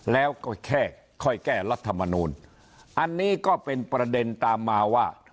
แล้วก็แค่ค่อยแก้รัฐมนูลอันนี้ก็เป็นประเด็นตามมาว่า